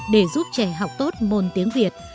để giúp trẻ học tốt môn tiếng việt